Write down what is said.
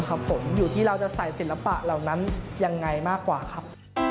ครับผมอยู่ที่เราจะใส่ศิลปะเหล่านั้นยังไงมากกว่าครับ